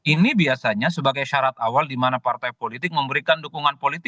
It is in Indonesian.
ini biasanya sebagai syarat awal dimana partai politik memberikan dukungan kepada mereka